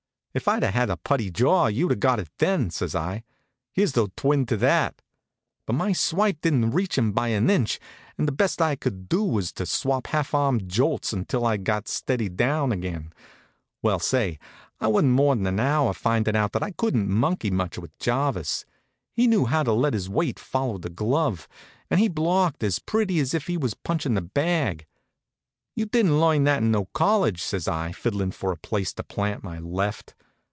"If I'd had a putty jaw, you'd got it then," says I. "Here's the twin to that." But my swipe didn't reach him by an inch, and the best I could do was to swap half arm jolts until I'd got steadied down again. Well say, I wasn't more'n an hour findin' out that I couldn't monkey much with Jarvis. He knew how to let his weight follow the glove, and he blocked as pretty as if he was punchin' the bag. "You didn't learn that in no college," says I, fiddlin' for a place to plant my left.